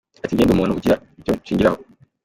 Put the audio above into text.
Ati “Njyewe ndi umuntu ugira ibyo nshingiraho.